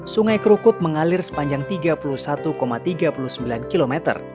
sungai kerukut mengalir sepanjang tiga puluh satu tiga puluh sembilan km